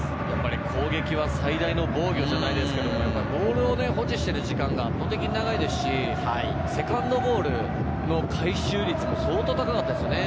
攻撃は最大の防御じゃないですけれど、ボールを保持している時間が圧倒的に長いですし、セカンドボールの回収率も相当高かったですよね。